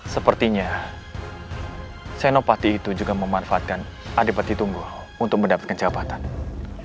sepertinya senopati itu juga memanfaatkan adipati tunggul untuk mendapatkan jabatan